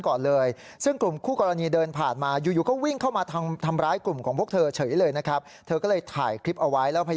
ตอนมามองหน้าเขาถามว่ามองหน้ากูทำไมแล้ว